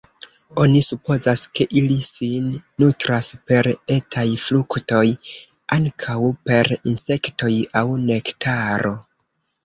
Oni supozas, ke ili sin nutras per etaj fruktoj, ankaŭ per insektoj aŭ nektaro.